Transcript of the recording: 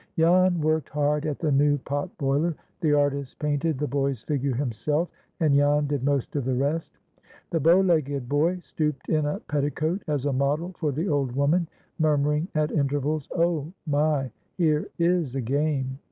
Jan worked hard at the new "pot boiler." The artist painted the boy's figure himself, and Jan did most of the rest. The bow legged boy stooped in a petticoat as a model for the old woman, murmuring at intervals, "Oh, my, here is a game!"